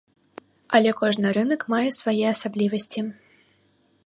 Але кожны рынак мае свае асаблівасці.